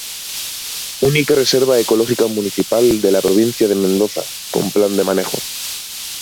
Única reserva ecológica municipal de la provincia de Mendoza con plan de manejo.